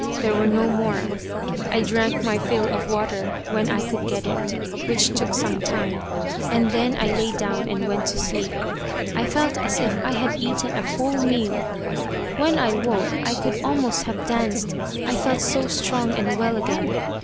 There were no more. I drank my fill of water, when I could get it, which took some time, and then I lay down and went to sleep. I felt as if I had eaten a full meal. When I woke I could almost have danced, I felt so strong and well again.